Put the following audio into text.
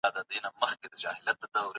د میوو جوس او مربا ډېر مینه وال لري.